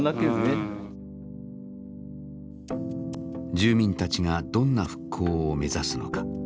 住民たちがどんな復興を目指すのか。